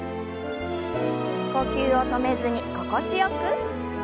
呼吸を止めずに心地よく。